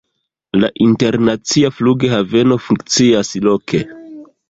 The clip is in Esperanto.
La internacia flughaveno funkcias loke.